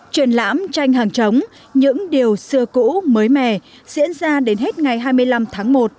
triển lãm tranh hàng chống những điều xưa cũ mới mẻ diễn ra đến hết ngày hai mươi năm tháng một